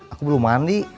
aku belum mandi